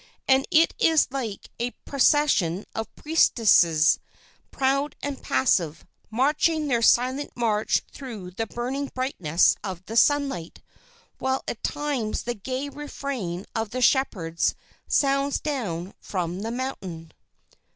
And it is like a procession of priestesses, proud and passive, marching their silent march through the burning brightness of the sunlight, while at times the gay refrain of the shepherds sounds down from the mountain.